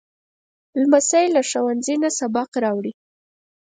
لمسی له ښوونځي نه سبق راوړي.